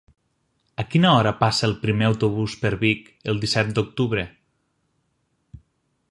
A quina hora passa el primer autobús per Vic el disset d'octubre?